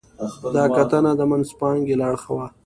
دا کتنه د منځپانګې له اړخه وه.